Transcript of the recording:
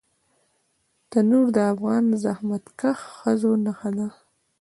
تنور د افغان زحمتکښ ښځو نښه ده